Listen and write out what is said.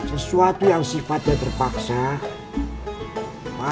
sesuatu yang sifatnya terpaksa